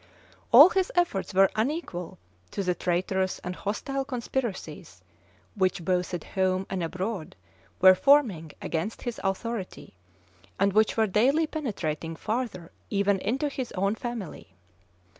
* Rymer, vol. iv. p. 184, 188, 225. All his efforts were unequal to the traitorous and hostile conspiracies which, both at home and abroad, were forming against his authority, and which were daily penetrating farther even into his own family.